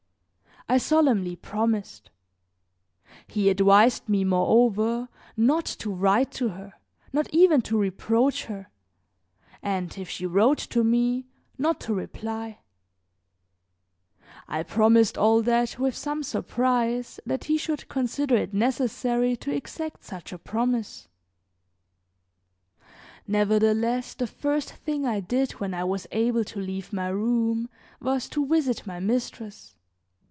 I solemnly promised. He advised me, moreover, not to write to her, not even to reproach her, and if she wrote to me not to reply. I promised all that with some surprise that he should consider it necessary to exact such a promise. Nevertheless the first thing I did when I was able to leave my room was to visit my mistress.